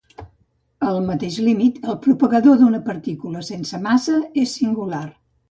Al mateix límit, el propagador d'una partícula sense massa és singular.